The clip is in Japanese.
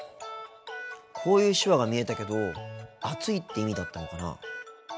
こういう手話が見えたけど暑いって意味だったのかな。